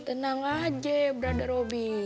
tenang aja ya bro robi